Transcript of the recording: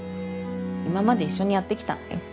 今まで一緒にやってきたんだよ。